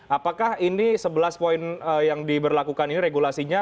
apakah ini sebelas poin yang diberlakukan ini regulasinya